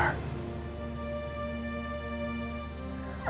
aku ingin membahagiakanmu